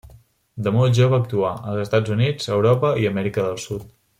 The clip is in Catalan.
De molt jove actuà, als Estats Units, Europa i Amèrica del Sud.